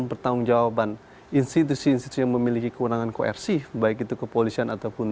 pertanggungjawaban institusi institusi yang memiliki kekurangan koersif baik itu kepolisian